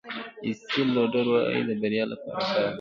ایسټل لوډر وایي د بریا لپاره کار کوئ.